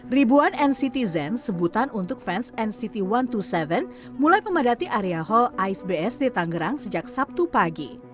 ribuan nctzen sebutan untuk fans nct satu ratus dua puluh tujuh mulai memadati area hall icebs di tangerang sejak sabtu pagi